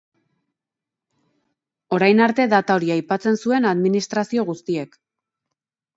Orain arte data hori aipatzen zuen administrazio guztiek.